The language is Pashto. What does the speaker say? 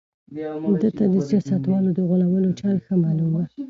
ده ته د سياستوالو د غولولو چل ښه معلوم و.